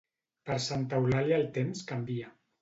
Per Santa Eulàlia el temps canvia.